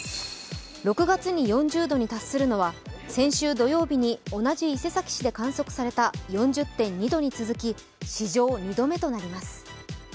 ６月に４０度に達するのは、先週土曜日に同じ伊勢崎市で観測された４０．２度に続き、史上２度目となります。